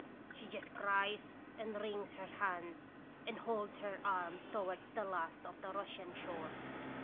She just cries and wrings her hands and holds her arms towards the last of the Russian shore.